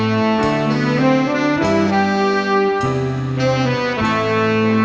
มันภพบุรุษของทัยแต่โากร๙๑๑